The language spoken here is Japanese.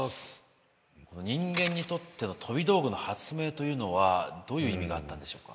人間にとっての飛び道具の発明というのはどういう意味があったんでしょうか？